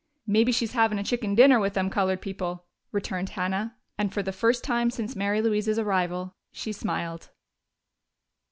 "Maybe she's havin' a chicken dinner with them colored people," returned Hannah and for the first time since Mary Louise's arrival she smiled.